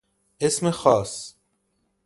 اسم خاص